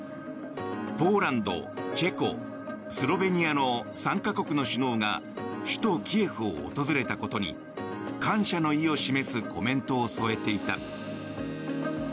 ポーランド、チェコスロベニアの３か国の首脳が首都キエフを訪れたことに感謝の意を示すコメントを添えていた。